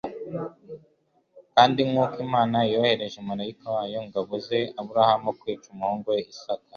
Kandi nk'uko Imana yohereje malayika wayo ngo abuze Aburahamu kwica umuhungu we Isaka,